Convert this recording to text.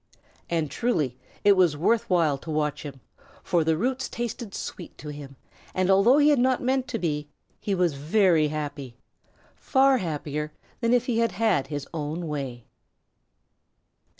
And truly it was worth while to watch him, for the roots tasted sweet to him, and, although he had not meant to be, he was very happy far happier than if he had had his own way.